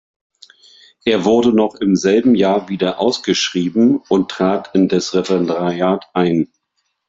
Er wurde noch im selben Jahr wieder ausgeschrieben und trat in des Referendariat ein.